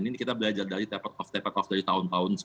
ini kita belajar dari tapering off dari tahun tahun